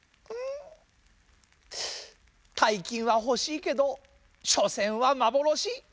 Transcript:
たいきんはほしいけどしょせんはまぼろし。